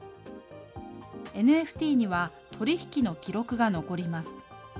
ＮＦＴには、取り引きの記録が残ります。